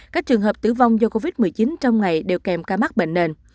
các trường hợp tử vong do covid một mươi chín trong ngày đều kèm ca mắc bệnh nền